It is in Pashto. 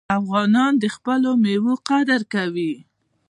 افغانان د خپلو میوو قدر کوي.